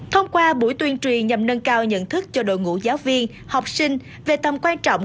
thông qua buổi tuyên truyền nhằm nâng cao nhận thức cho đội ngũ giáo viên học sinh về tầm quan trọng